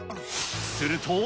すると。